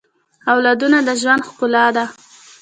اولادونه د ژوند ښکلا ده